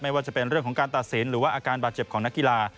ว่าจะเป็นเรื่องของการตัดสินหรือว่าอาการบาดเจ็บของนักกีฬา